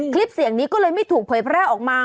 คลิปเสียงนี้ก็เลยไม่ถูกเผยแพร่ออกมา